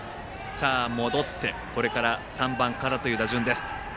戻ってこれから３番からという打順です。